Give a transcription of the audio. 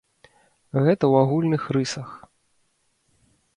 Гэта ў агульных рысах.